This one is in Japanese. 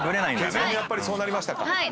結論やっぱりそうなりましたか。